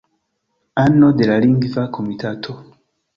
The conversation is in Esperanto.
Ano de la Lingva Komitato.